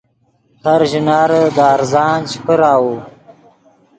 ہر ژینارے دے ارزان چے پراؤو